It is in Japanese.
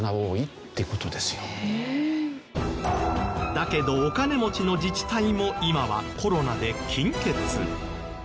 だけどお金持ちの自治体も今はコロナで金欠。